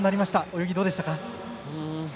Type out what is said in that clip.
泳ぎ、どうでしたか？